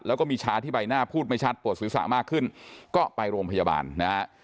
แล้วก็มีช้าที่ใบหน้าพูดไม่ชัดปวดศูนย์ศาสตร์มากขึ้นก็ไปโรงพยาบาลนะครับ